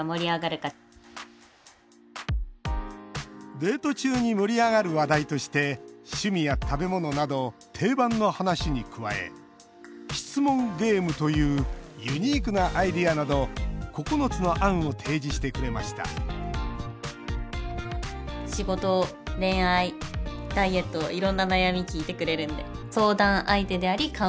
デート中に盛り上がる話題として趣味や食べ物など定番の話に加え質問ゲームというユニークなアイデアなど９つの案を提示してくれましたＡＩの仕事や暮らしでの活用